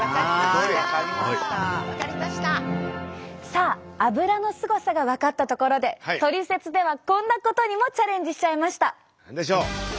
さあアブラのすごさが分かったところでトリセツではこんなことにもチャレンジしちゃいました。